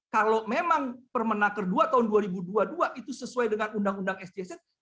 kalau memang permenaker dua tahun dua ribu dua puluh dua itu sesuai dengan undang undang sjsn